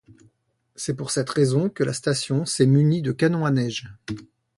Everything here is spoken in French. C'est pour cette raison que la station s'est munie de canons à neige.